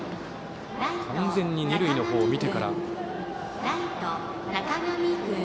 完全に、二塁の方を見てから。